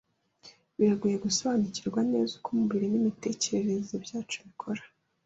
Biragoye gusobanukirwa neza uko umubiri n'imitekerereze byacu bikora.